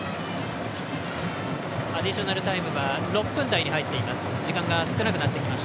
アディショナルタイムは６分台に入ってきました。